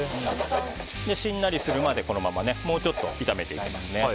しんなりするまでこのままもうちょっと炒めていきます。